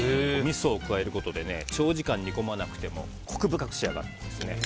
みそを加えることで長時間煮込まなくてもコク深く仕上がるんですね。